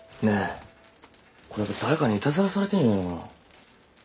ねえこれやっぱ誰かにいたずらされてんじゃないのかな。